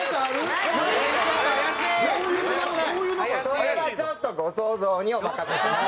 それはちょっとご想像にお任せします。